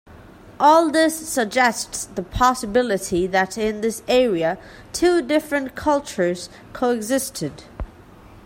All this suggests the possibility that in this area two different cultures coexisted.